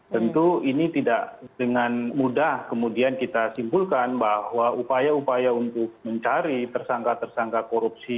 tentu ini tidak dengan mudah kemudian kita simpulkan bahwa upaya upaya untuk mencari tersangka tersangka korupsi